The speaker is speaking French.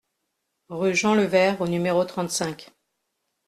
Rue Jean Levert au numéro trente-cinq